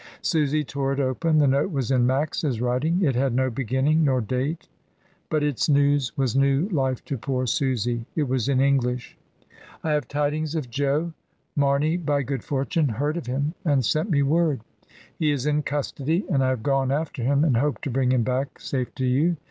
Susy tore it open. The note was in Max's writing; it had no beginning nor date, but its news was new life to poor Susy. It was in English. "/ have tidings of Jo, Marney, by good fortune, heard of him , and sent me word. He is in custody, and I have gone after him, and hope to bring him hack safe to you.